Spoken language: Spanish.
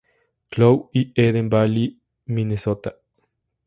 Cloud y Eden Valley, Minnesota.